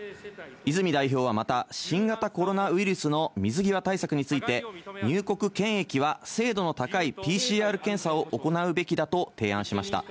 泉代表はまた、新型コロナウイルスの水際対策について、入国検疫は精度の高いＰＣＲ検査を行うべきだと提案しました。